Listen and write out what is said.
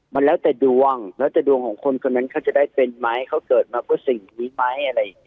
มันแล้วแต่ดวงแล้วแต่ดวงของคนคนนั้นเขาจะได้เป็นไหมเขาเกิดมาก็สิ่งนี้ไหมอะไรอย่างนี้